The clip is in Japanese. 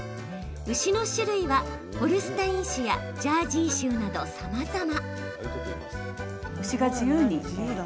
牛の種類は、ホルスタイン種やジャージー種などさまざま。